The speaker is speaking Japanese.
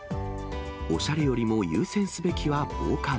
おしゃれよりも優先すべきは防寒。